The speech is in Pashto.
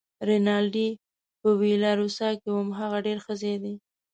رینالډي: په ویلا روسا کې وم، هغه ډېر ښه ځای دی.